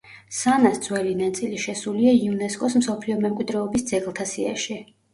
სანას ძველი ნაწილი შესულია იუნესკოს მსოფლიო მემკვიდრეობის ძეგლთა სიაში.